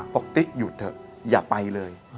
ติ๊กหยุดเถอะอย่าไปเลย